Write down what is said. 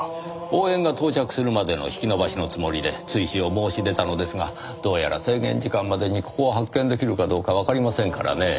応援が到着するまでの引き延ばしのつもりで追試を申し出たのですがどうやら制限時間までにここを発見出来るかどうかわかりませんからねぇ。